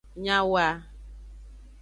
Nyawoa.